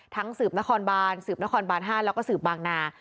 ทั้งสืบนะครบาล๕และสืบบางนา๐๖๒๐๑๕